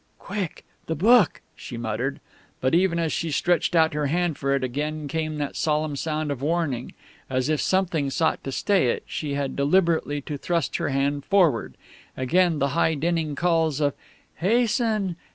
"Quick the book," she muttered. But even as she stretched out her hand for it, again came that solemn sound of warning. As if something sought to stay it, she had deliberately to thrust her hand forward. Again the high dinning calls of "Hasten!